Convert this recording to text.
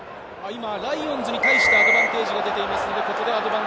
ライオンズに対してアドバンテージが出ています。